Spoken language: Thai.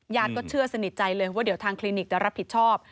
ก็เชื่อสนิทใจเลยว่าเดี๋ยวทางคลินิกจะรับผิดชอบ